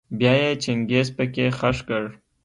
بيا يې چنګېز پکي خښ کړ.